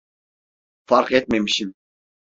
Fark etmemişim.